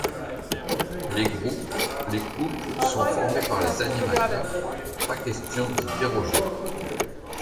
Les groupes, les couples sont formés par les animateurs - pas question d'y déroger.